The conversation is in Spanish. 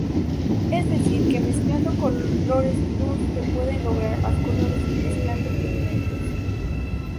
Es decir que mezclando colores luz se pueden lograr más colores que mezclando pigmentos.